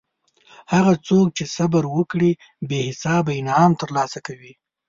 هغه څوک چې صبر وکړي بې حسابه انعام ترلاسه کوي.